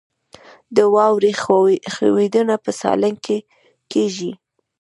د واورې ښویدنه په سالنګ کې کیږي